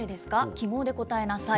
記号で答えなさい。